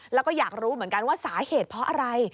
แล้วก็อยากรู้เหมือนกันว่าสาเหตุเพราะอะไร